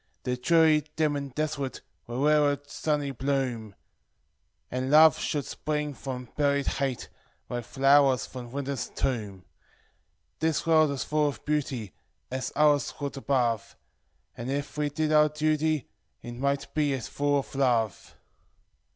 The dreary, dim, and desolate, would wtai a sunny bloom, And love should spring from buri< ike flowers from Wintei's tomb. "This world is full of beauty, as othei w .r\< ]> above; And, if we did our duty, it might be as full of love."